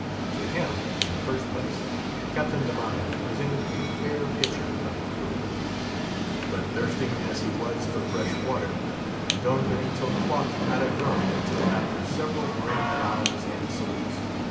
To him, in the first place, Captain Delano presented a fair pitcher of the fluid; but, thirsting as he was for it, the Spaniard quaffed not a drop until after several grave bows and salutes.